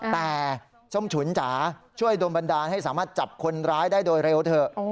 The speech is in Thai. แต่ส้มฉุนจ๋าช่วยดมบันดาลให้สามารถจับคนร้ายได้โดยเร็วเถอะ